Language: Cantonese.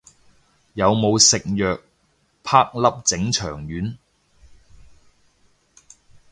有冇食藥，啪啲整腸丸